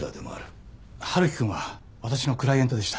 春樹くんは私のクライエントでした。